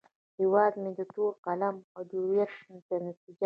هیواد مې د تورې، قلم، او جرئت نتیجه ده